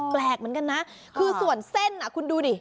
แปลกเหมือนกันนะคือส่วนเส้นคุณดูดิ